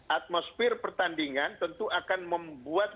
atmosfer pertandingan tentu akan membuat